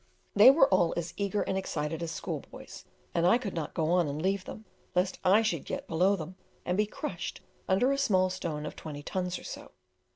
They were all as eager and excited as schoolboys, and I could not go on and leave them, lest I should get below them and be crushed under a small stone of twenty tons or so.